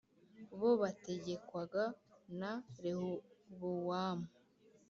bo bategekwaga na Rehobowamu